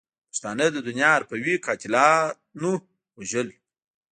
پښتانه د دنیا حرفوي قاتلاتو وژل.